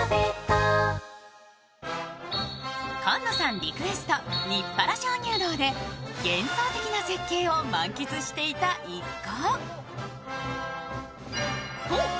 リクエスト日原鍾乳洞で幻想的な絶景を満喫していた一行。